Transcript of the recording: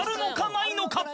ないのか？